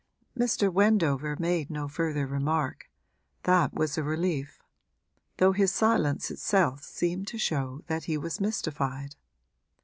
Mr. Wendover made no further remark that was a relief; though his silence itself seemed to show that he was mystified.